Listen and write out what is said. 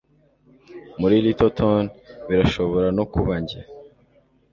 Muri Littleton birashobora no kuba njye